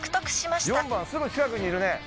４番すぐ近くにいるね。